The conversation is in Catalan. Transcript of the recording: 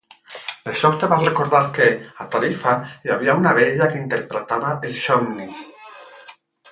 De sobte va recordar que, a Tarifa, hi havia una vella que interpretava els somnis.